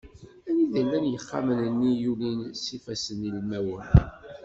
Anida i llan yixxamen-nni i yulin s yifasssen ilmawen.